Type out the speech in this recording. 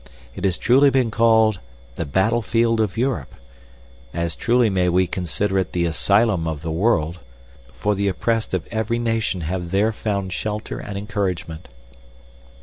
It has truly been called "the battlefield of Europe"; as truly may we consider it the asylum of the world, for the oppressed of every nation have there found shelter and encouragement.